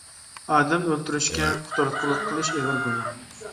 ئادەم ئۆلتۈرۈشكە قۇتراتقۇلۇق قىلىش ئېغىر گۇناھ.